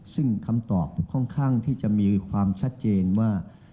ซึ่งคำตอบค่อนข้างที่จะมีความชัดเจนว่า